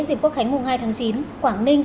dịp quốc khánh hai tháng chín quảng ninh